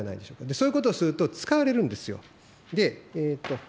そういうことをすると、使われるんですよ。